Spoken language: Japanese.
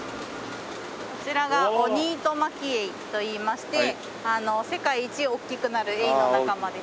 こちらがオニイトマキエイといいまして世界一大きくなるエイの仲間です。